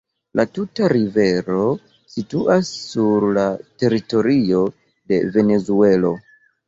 La tuta rivero situas sur la teritorio de Venezuelo.